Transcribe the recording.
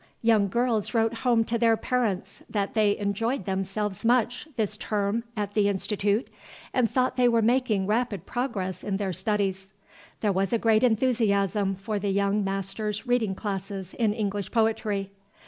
Young girls wrote home to their parents that they enjoyed themselves much, this term, at the Institute, and thought they were making rapid progress in their studies. There was a great enthusiasm for the young master's reading classes in English poetry.